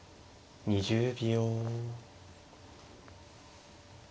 ２０秒。